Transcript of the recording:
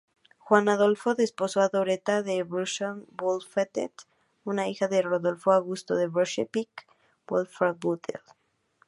Juan Adolfo desposó a Dorotea de Brunswick-Wolfenbüttel, una hija de Rodolfo Augusto de Brunswick-Wolfenbüttel.